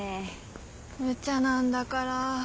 むちゃなんだから。